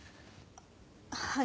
はい。